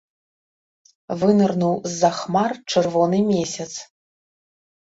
Вынырнуў з-за хмар чырвоны месяц.